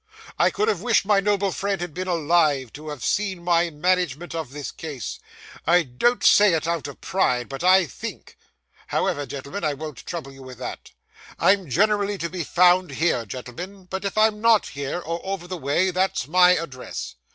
I could have wished my noble friend had been alive to have seen my management of this case. I don't say it out of pride, but I think However, gentlemen, I won't trouble you with that. I'm generally to be found here, gentlemen, but if I'm not here, or over the way, that's my address.